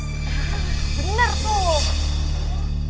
hah bener tuh